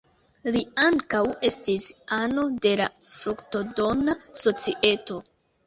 Li ankaŭ estis ano de la "Fruktodona Societo".